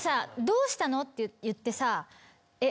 「どうしたの？」って言って。